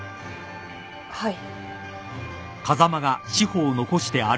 はい。